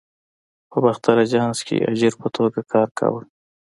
په باختر آژانس کې اجیر په توګه کار کاوه.